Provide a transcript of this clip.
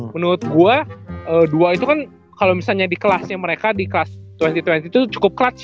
menurut gue dua itu kan kalau misalnya di kelasnya mereka di kelas dua ribu dua puluh itu cukup keras